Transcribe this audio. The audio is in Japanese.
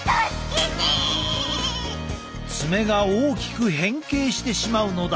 爪が大きく変形してしまうのだ。